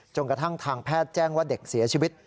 กระทั่งทางแพทย์แจ้งว่าเด็กเสียชีวิต